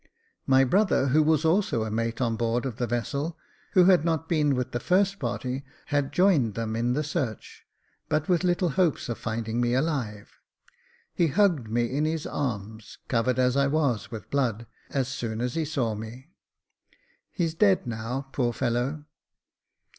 My brother, who was also a mate on board of the vessel, who had not been with the first party, had joined them in the search, but with little hopes of finding me alive. He hugged me in his arms, covered as I was with blood, as soon as he saw me. He's dead now, poor fellow